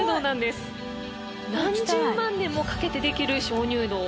何十万年もかけてできる鍾乳洞